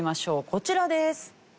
こちらです。